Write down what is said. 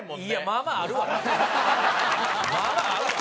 まあまああるわ。